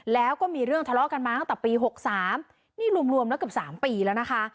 แล้วก็มีเรื่องทะเลาะกันมาตั้งแต่ปี๖๓นี่รวมแล้วเกือบ๓ปีแล้วนะคะ